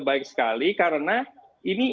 baik sekali karena ini